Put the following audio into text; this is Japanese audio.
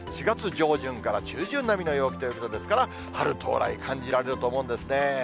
４月上旬から中旬並みの陽気ということですから、春到来、感じられると思うんですね。